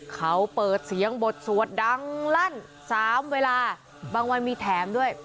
เขาเปิดเสียงบทสวดดังลั่น๓เวลาบางวันมีแถมด้วย